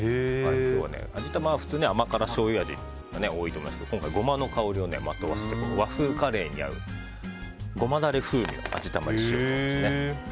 味玉は普通は甘辛しょうゆ味が多いと思いますが今回はゴマのにおいをまとわせて和風カレーに合うゴマダレ風味の味玉にしようと。